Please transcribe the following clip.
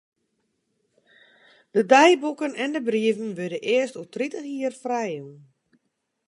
De deiboeken en de brieven wurde earst oer tritich jier frijjûn.